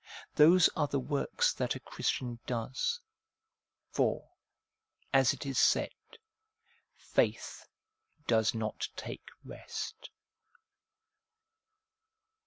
Those are the works that a Christian does. For, as it is said, faith does not take rest.